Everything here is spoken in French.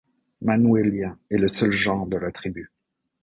Manuelia est le seul genre de la tribu.